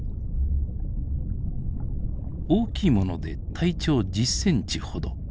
大きいもので体長１０ｃｍほど。